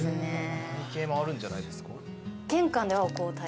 甘い系もあるんじゃないですか？